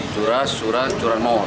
jura surat juran mawar